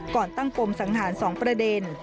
ก่อนตั้งปมสังหาร๒ประเด็น